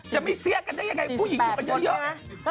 จะไม่เสี้ยกันได้ยังไงผู้หญิงอยู่กันเยอะ